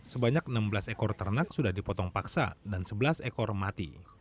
sebanyak enam belas ekor ternak sudah dipotong paksa dan sebelas ekor mati